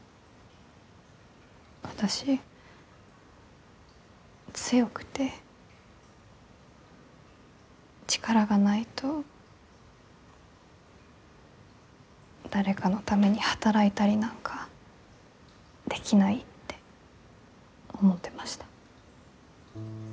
私強くて力がないと誰かのために働いたりなんかできないって思ってました。